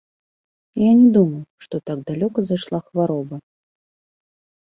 Я не думаў, што так далёка зайшла хвароба.